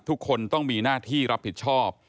ทุกคนต้องมีหน้าที่รับผิดชอบ